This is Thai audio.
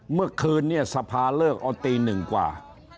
เมื่อคืนนี้สภาเลิกตีหนึ่งกว่า